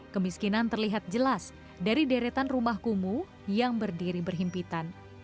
kemiskinan terlihat jelas dari deretan rumah kumuh yang berdiri berhimpitan